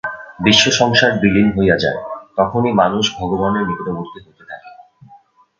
বিশ্বসংসার বিলীন হইয়া যায়, তখনই মানুষ ভগবানের নিকটবর্তী হইতে থাকে।